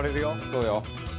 そうよ。